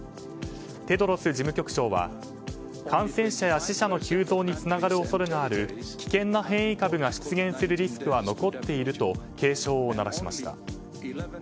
テドロス事務局長は感染者や死者の急増につながる恐れのある危険な変異株が出現するリスクは残っていると警鐘を鳴らしました。